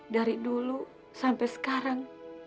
dari dulu sampai sekarang